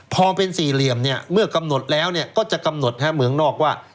พอเป็นสี่เหลี่ยมเนี่ยเมื่อกำหนดแล้วก็จะกำหนดเมืองนอกว่า